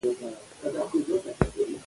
افغانستان د انار د پلوه ځانته ځانګړتیا لري.